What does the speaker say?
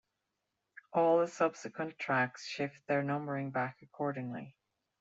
All the subsequent tracks shift their numbering back accordingly.